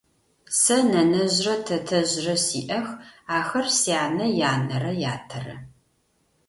Сэ нэнэжърэ тэтэжърэ сиӏэх, ахэр сянэ янэрэ ятэрэ.